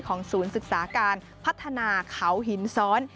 ศูนย์ศึกษาการพัฒนาเขาหินซ้อน